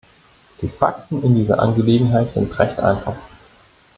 Die Fakten in dieser Angelegenheit sind recht einfach.